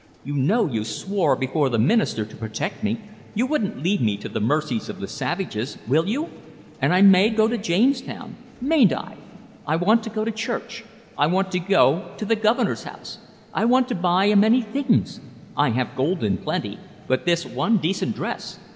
You know you swore before the minister to protect me. You won't leave me to the mercies of the savages, will you? And I may go to Jamestown, may n't I? I want to go to church. I want to go to the Governor's house. I want to buy a many things. I have gold in plenty, and but this one decent dress.